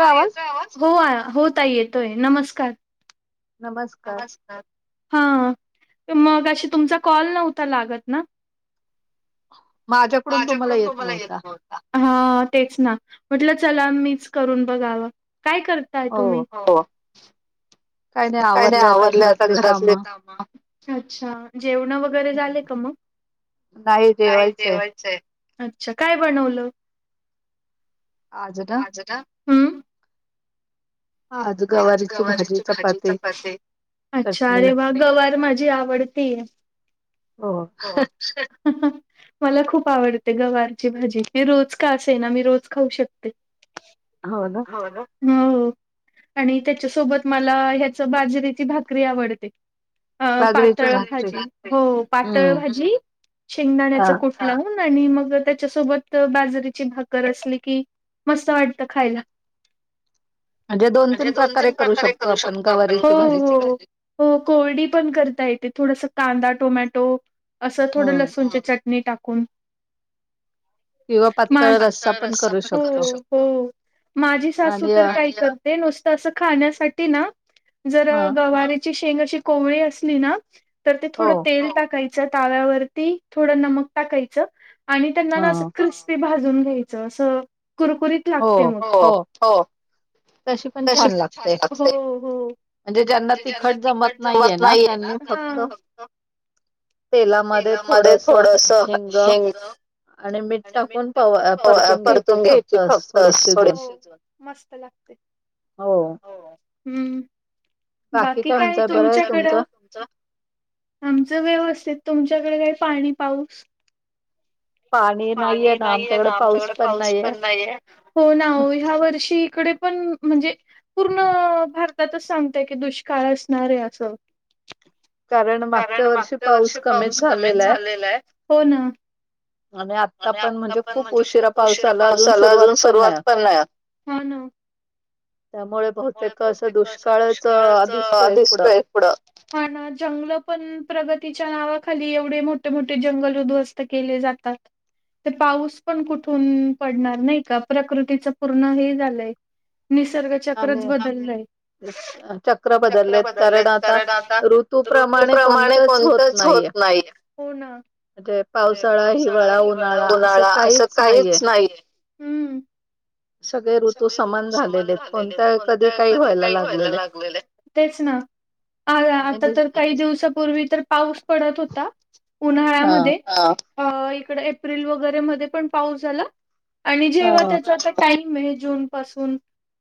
हा येतोय हो होत येतोय नमस्कार... नमस्कार... हा मग अशी तुमचा कॉल नव्हता लागत ना... माझ्याकडून तुम्हाला येत नव्हता.. हा तेच ना म्हटलं चला मीच करून बघावं.. काय करताय तुम्ही हो.. काही नाही आवरलय आता घरातले का अच्छ जेवण वगैरे झाले का मग.. [inaudible] नाही जेवायच... अच्छा काय बनवलं आज.. हा अज गवारीच भाजी चपाती.. अच्छा अरे वा गवार माझी आवडतीय.. हो... मला खूप आवडते गवारची भाजी ती रोज का अस आहे ना मी रोज खाऊ शकते.. हौल हो आणि त्याच्यासोबत मला ह्याच बाजरीेची भाकरी आवडते.. अ पातळभजी हो पातळभजी शेंगदाण्याच कुठलं... हो आणि मग त्याच्यासोबत बाजरीची भाकर असली की, मस्त वाटत खायला.. म्हणे दोन तीन प्रकारे करू शकतो आप कोडी पण करता येते. थोडस कांदा टोमॅटो असं थोडं लसूणची चटणी टाकून.. माझं पातळ रस्सा पण करू शकतो. माझी सासू तर काय करते नुसतं असं खाण्यासाठी ना ज गवारी.. शेंग अ कोळी असली ना तर ते थोड तेल टाकाय.. तव्या वरती थोड नमक टाकायचं आणि त्यांना ना अस क्रिस्पी भाजयच.. भाजून घ्यायची असं कुरकुरीत लागते मग... तशी पण छान लागते हो हो.. म्हणजे ज्यांना तिकट जमत नाहीये ना त्यांना फक्त... तेलामध्येध्ये थोडस हिंग... आणि मीठ टकून परतून घ्याय... थोडीशी शिजवून मस्त लागते हम्... बाकी काय तुमच्याकड आमच व्यवस्थित तुमचं... त्याच्याकडे काही पाणी पाऊस... पाणी नाही आहे ना आमच्याकडे पाऊस पण नाहीये हो ना ह्या वर्षी डे पण म्हणजे पूर्ण भारतातच सांग. त्या दुष्काळ असणार आहे असं. कारण मागच्या वर्षी पाऊस कमीच झालेला आहे हो ना. आणि आत्ता पण म्हणजे खूप उशिरा पावसाला अजून सुरुवात पण नाही. हा ना. त्यामुळे अस दुष्काळाच दिसतोय इडं. जंगल पण प्रगतीच्या नावाखाली एवढे मोठे मोठे जंगल उद्ध्वस्त केले जातात. ते पाऊस पण कुठून पडणार नाही का प्रकृतीच पूर्ण हे झालंय. निसर्गचक्रच बदललंय. चक्र बदललेत कारण आता ऋतूप्रमाणे कोणतंच होत. नाही हो ना. तेे पावसाळा हिवाळा उन्हाळा असं काहीच नाहीये. सगळे ऋतू समान झालेले आहेत. कोणत्या काही व्हाय लागले ना. अ आता तर काही दिवसा पूर्वी तर पाऊस पडत होता उन्हाळ्यामध्ये अ इकड एप्रिल वगैरे मध्ये पण पाऊस झाला आणि जेव्हा त्याचा आता टाइम. मे जून पासून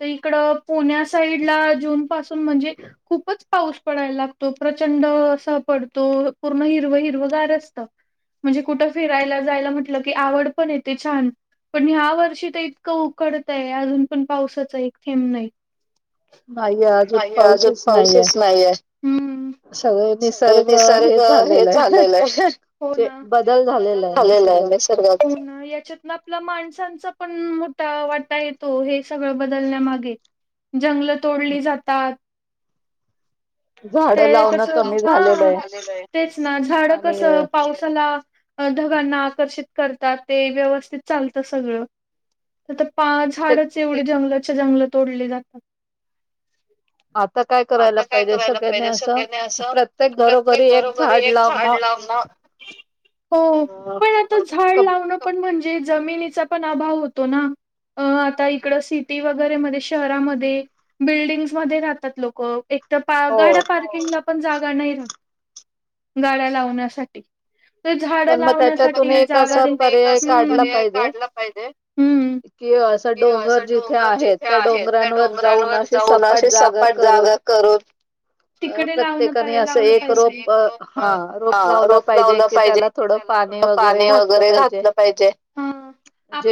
तर इकड पुण्या साईड ला जून पा म्हणजे खूपच. पाऊस पडायला लागतो प्रचंड अस पडतो पूर्ण हिरवं हिरवं गार असत. म्हणजे कुठं फिरायला जायला म्हटलं की आवड पण येते छान पण ह्या वर्षी तर इतकं. कडत आहे अजून पण पावसाचा एक थेंब नाही. नाहीे आज पाऊसच नाहीये. निसर्ग हे झालेलं आहे हो ना बदल झा निसर्ग त्याच्या आपल्या माणसांचा पण मोठा वाटा येतो हे सगळं बदलण्या मागे जंगलं तोडली जातात. जा. ते कस हा तेच ना झाड कसं पावसाला ढगांना आकर्षित करतात ते व्यवस्थित चालतं सगळं तर पा झाडच एवढी जंगलाच्या जंगल तोडली जातात. आता काय करायला पाहिजे स त्याने असं प्रत्येक घरोघरी एक झाड लावून पण आ झाड ला पणण ज अ हो. आता इड सिटी वगैरे म शहरामध्ये बिल्डिंग मध्ये राहतात लोक. तर गाड्या पार्किंगला पण जागा नाही राहत गाड्या लावण्यासाठी तर झाडं लावण्यासाठी जागा देणे अस पर्याय काढला पाहिजे. असा डोंगर जिथे आहेत त्या डोंगरांवर जाऊन अशी सपाट जागा कर. तरफ तिकडे लावलं पाहिजेप रोप लाव पाहिजे. त्या ड पाणी वरे घातलं पाहिजे आप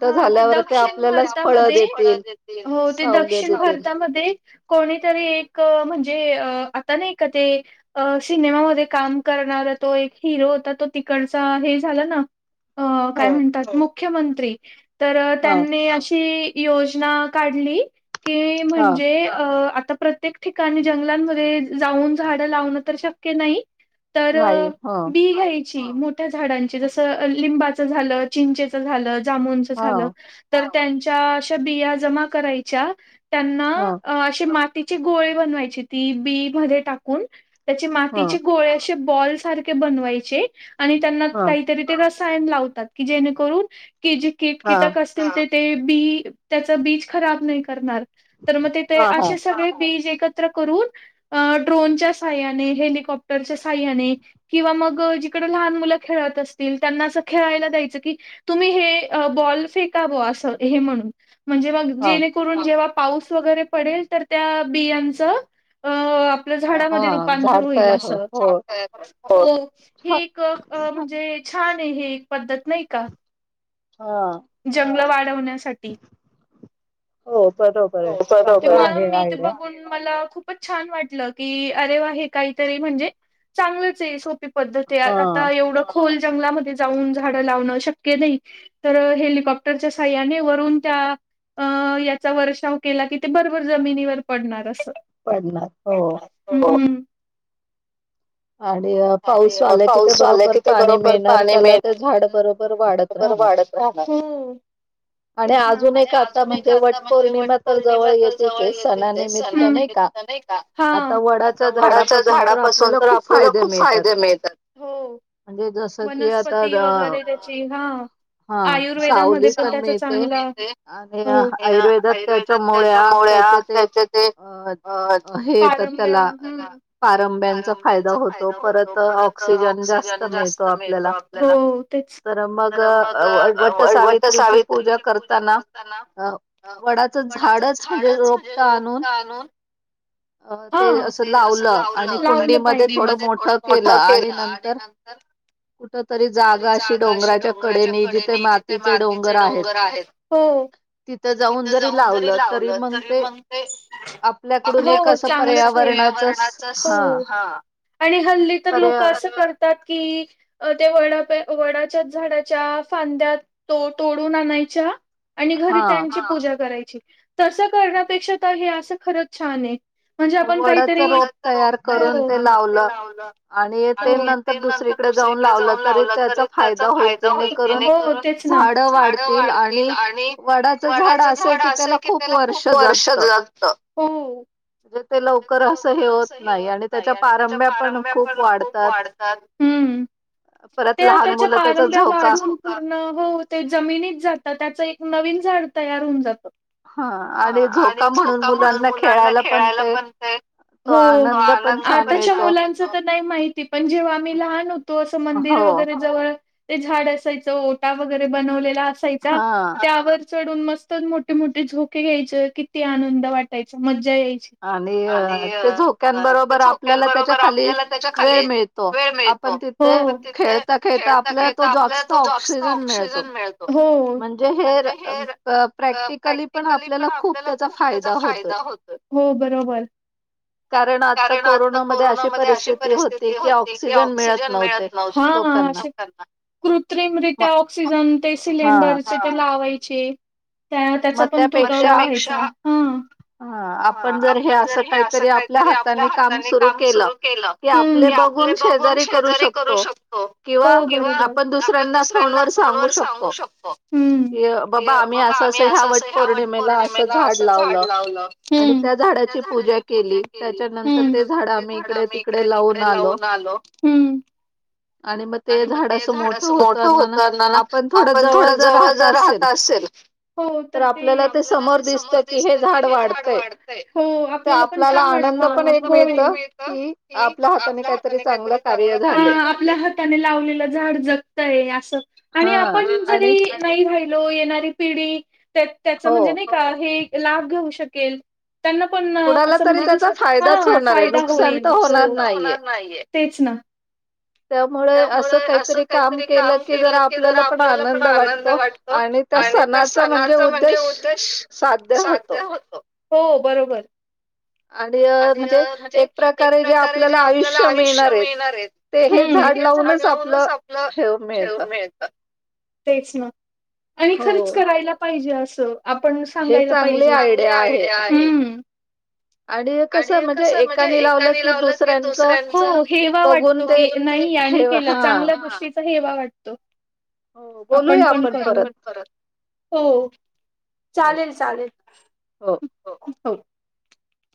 हा ते दक्षिण भारतामध्ये हो ते दक्षिण भारतामध्ये कोणीतरी म्हणजे आ नाही स का. तो एक हिरो होता तो तिकडचा हे झाला ना. अ काय म्हणतात मुख्यमंत्री तर त्यांनी अशी योजना काढली की म्हणजे अ आता प्रत्येक ठिकाणी जंगलांमध्ये जाऊन झाडं लावण तर शक्य नाही. तर बी काय? ची मोठ्या झाडांची. जस लिंबाच झाल. जमुनच झाल. तर त्यांच्या अशा बिया जमा करायच्या. त्यांना अशी मातीची गोळी बनवायची. ती बी मध्ये टाकून. त्याचे मातीचे गोळे असे बॉल सारखे बनवायचे. आणि त्यांना काहीतरी ते र जेणे करून ते जे कीटक असतील ते. ते बी. त्याच बीज खराब नाही करणार. तर मग ते असे सगळे बीज. एकत्र करून. जिकडे लहान मुलं खेळत असतील. त्यांना असं खेळायला द्यायचं की तुम्ही. हे बॉल फेकाव अस हे म्हनून म्हणजे जेव्हा असं. पाऊस वगैरे पडेल तर त्या बियांच. आ. आपल्या झाडामध्ये रूपांतर होईल असं, हो हे एक अ म्हणजे छान आहे, हे एक पद्धत नाही का? जंगलं वाढवण्यासाठी. ते म्हणून मी ते बघून मला खूप प छान वाटलं की, अरे वा हे काहीतरी म्हणजे चांगलंच आहे, सोपे पद्धती, आता एवढं खोल जंगलामध्ये जाऊन झाडं लावणं शक क्य नाही, तर हेलिकॉप्टरच्या साह्याने वरून त्या अ याचा वर्षाव केला की ते बरोबर जमिनीवर पडणार असं. हम्म. [inaudible] आणि पाऊस आला कि ते बरोबर पाणी मिळणार बर वाढत राहणार. आणि अजून एक आता म्हणजे वट पौर्णिमा तर जवळ येतेच ये सा [inaudible] का नाही का आता वडाच्या झाडापासून लेला खूप फायदे मिळतात. हो, वनपती वगैरे त्याची हा. आयुर्वेदामध्ये तर त्याच चांगलं आहे आयुर्वेदात त्याच्या त्याच्या ते अ पारंब्यांचा फायदा होतो. परत ऑक्सिजन जास्त मिळतो आपल्याला. तर मग, अ व-वट सावित्रीची पूजा करताना, अ वडाचं झाडच म्हणजे रोपटं आणून हां, ते अस लावलं, लावलं पाही शेतीमध्ये थोड मोठ पेरल आणि नंतर नसलं तरी चालत. अशी डोंगराच्या कडेने. जिथे मातीचे डोंगर आहेत. तिथ जाऊन जरी लावलं तरी मग ते. हो हो चांगलंच होईल. आपण कसं करुया पर्यावरणाचा हो. हा आणि हल्ली तर लोक असं करतात. की अ ते वडा पे वडा. वडाच्या झाडाच्या फांद्या तो तोडून आणायच्या. आणि घरी त्यांची पूजा करायची. तस करण्यापेक्षा का हे असं खरच छान आहे. म्हणजे आपण काहीतरी. वडाचं रोप तयार करून ते लावलं. आणि ते नंतर दुसरीकडे जाऊन लावलं तरी त्याच. फायदा होईल जेणे करून. हो. हो. तेच ना. झाड वाढतील आणि वडाच झाड असत. आस आहे की ते खूप वर्ष जगत. ते लवकर अस हे होत नाही. आणि त्याच्या पारंभ्या पण खूप वाढतात. हम. हम. परत लहान मुलं. पारभ्या वाढून पूर्ण. हो ते जमिनीत जातात. त्याच एक नवीन झाड तयार होऊन जातं. हा. आणि झोका म्हणून मुलांना खेळायला पण ते. हो तो आनंद पण छान असतो. आताच्या मुलांच तर नाही माहिती पण जेव्हा आम्ही लहान होतो. अस मंदिर वगैरे जवळ ते झाड असायच ओटा वगैरे बनवलेला असायचा त्यावर चढून मस्त मोठे मोठे झोके घ्यायचे किती आनंद वाटायच मज्जा मज्जा यांची. आणि त्या झोक्यांबरोबर आपल्याला त्यांच्या खाली वेळ वेळ मिळतो. हो हो. आपण तिथे खेळताना खेळताना आपल्याला जो जास्त ऑक्सीजन मिळतो. हो हो. म्हणजे हे रक्त [inaudible] प्रॅक्टिकली पण आपल्याला खूप त्याचा फायदा होतो. हो बरोबर कारण आता कोरोनामध्ये अशी परिस्थिती होती की ऑक्सिजन मिळत नव्हते. लोकांना कृत्रिमरित्या ऑक्सिजन ते सिलेंडरचे ते लावायचे. त्या त्याचा पण तुटवडा होता म त्यापेक्षा. हा ह. आपण जर हे अस काहीतरी आपल्या हाताने काम सुरू केलं की आपले बघून शेजारी करू शकतो हो हो. किंवा आपण दुसऱ्यांना फोनवर सांगू शकतो की बाबा आम्ही मी असं अस या वटपौर्णिमेला अस झाड लावलं. हम आणि त्या झाडाची पूजा केली. त्यानंतर ते झाड आम्ही इकडे तिकडे लावून आलो. हम आणि म आणि मग ते झाड असं मोठं होताना. आपण थोडं जवळ जर राहत असेल. हो. हो तर ते. तर आपल्याला ते समोर दिसत की हे झाड वाढतय हो आपल्याला पण छान वाटतं आपल्या आनंद पण एक मिळत की आपल्या हाताने काहीतरी चांगलं झालं. हा आपल्या हाता हाताने लावलेलं झाड जगतय असं आणि आपण जरी नाही राहिलो येणारी पिढी त्याच. त्याच म्हणजे नाही का हे लाभ घेऊ शकेल त्यांना पण असं म्हणजे जसं. कुणालातरी त्याचा फायदाच होईल नुकसान तर होणार नाही. तेच ना त्यामुळे त्यामुळे असं काहीतरी काम केलं की जरा आपल्याला पण आनंद वाटतो. आणि त्यात त्यात सणाचा म्हणजे उद्देश साध्य होतो. हो बरोबर आणि अ म्हणजे. एक प्रकारे जे आपल्याला आयुष्य मिळणार आहे हम. ते हे झाड लावूनच आपलं शव मिळत. तेच ना आणि खरंच करायला पाहिजे. असं आपण सांगायला पाहिजे. ही चांगली आयडिया आहे. आणि कस म्हणजे एकाने लावलं दुसऱ्याचं. हो हेवा वाटतो की नाही की यांनी केलं चांगल्या गोष्टीचा हेवा वाटतो. आपण पण करू. बोलूया आपण परत. हो चालेल चालेल. हो